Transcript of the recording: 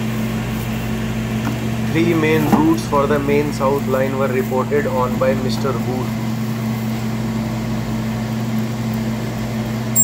Three main routes for the Main South Line were reported on by Mr. Woore.